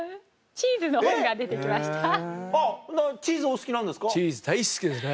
チーズお好きなんですか？